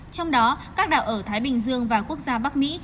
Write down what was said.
trong đó các đảo ở thái bình dương và quốc gia bắc mỹ